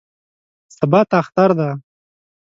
سبا ته اختر دی.